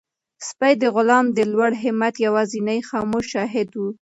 سپی د غلام د لوړ همت یوازینی خاموش شاهد و.